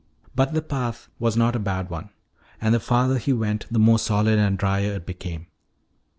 But the path was not a bad one. And the farther he went the more solid and the dryer it became.